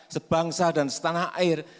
sebangsa dan setanah air